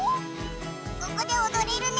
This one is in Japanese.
ここでおどれるね。